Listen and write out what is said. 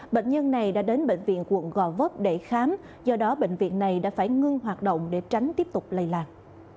bệnh nhân này đã đến bệnh viện quận gò vấp để khám do đó bệnh viện này đã phải ngưng hoạt động để tránh tiếp tục lây lạc